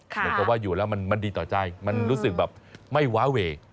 เหมือนกับว่าอยู่แล้วมันดีต่อใจมันรู้สึกแบบไม่ว้าเว